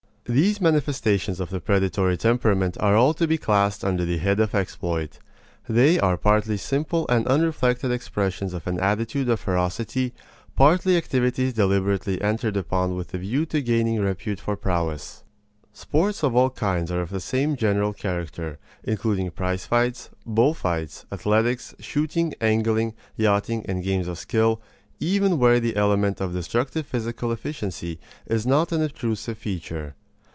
These manifestations of the predatory temperament are all to be classed under the head of exploit. They are partly simple and unreflected expressions of an attitude of emulative ferocity, partly activities deliberately entered upon with a view to gaining repute for prowess. Sports of all kinds are of the same general character, including prize fights, bull fights, athletics, shooting, angling, yachting, and games of skill, even where the element of destructive physical efficiency is not an obtrusive feature.